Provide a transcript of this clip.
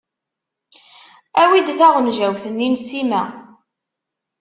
Awi-d taɣenǧawt-nni n ssima.